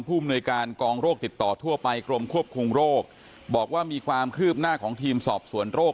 มนวยการกองโรคติดต่อทั่วไปกรมควบคุมโรคบอกว่ามีความคืบหน้าของทีมสอบสวนโรค